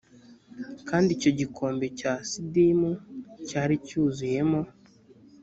kandi icyo gikombe cya sidimu cyari cyuzuyemo